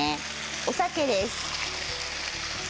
お酒です。